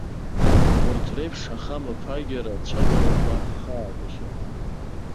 Урҭ реиԥш ахамаԥагьара цәажәарақәа ҳхаагахьан.